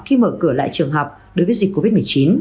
khi mở cửa lại trường học đối với dịch covid một mươi chín